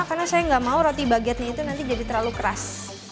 karena saya enggak mau roti baguette itu nanti jadi terlalu keras